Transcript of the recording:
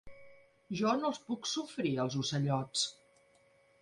Jo no els puc sofrir, els ocellots.